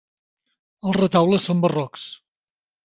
Els retaules són barrocs.